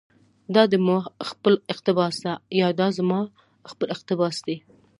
دا دي ما خپل اقتباس ده، يا دا زما خپل اقتباس دى